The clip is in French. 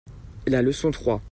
la leçon trois.